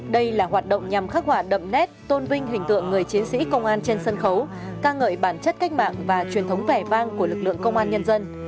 đây là hoạt động nhằm khắc họa đậm nét tôn vinh hình tượng người chiến sĩ công an trên sân khấu ca ngợi bản chất cách mạng và truyền thống vẻ vang của lực lượng công an nhân dân